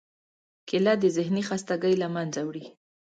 کېله د ذهنی خستګۍ له منځه وړي.